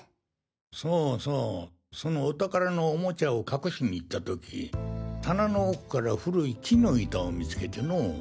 そうそうそのお宝のおもちゃを隠しに行った時棚の奥から古い木の板を見つけてのォ。